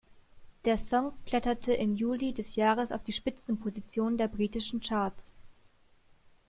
Der Song kletterte im Juli des Jahres auf die Spitzenposition der britischen Charts.